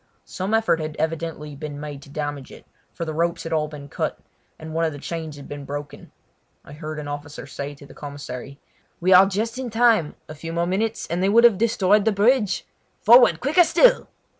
Some effort had evidently been made to damage it, for the ropes had all been cut, and one of the chains had been broken. I heard the officer say to the commissary: "We are just in time! A few more minutes, and they would have destroyed the bridge. Forward, quicker still!"